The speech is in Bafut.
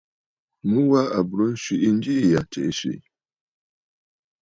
Mu wa à bùrə nswìʼi njiʼì ya tsiʼì swìʼì!